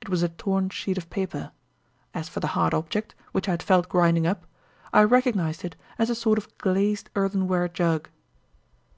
It was a torn sheet of paper. As for the hard object, which I had felt grinding up, I recognized it as a sort of glazed earthenware jug.